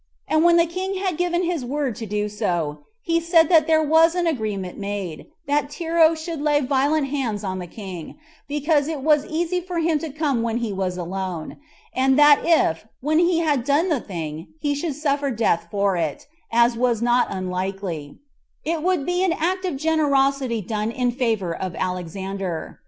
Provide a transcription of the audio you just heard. And when the king had given his word to do so, he said that there was an agreement made, that Tero should lay violent hands on the king, because it was easy for him to come when he was alone; and that if, when he had done the thing, he should suffer death for it, as was not unlikely, it would be an act of generosity done in favor of Alexander.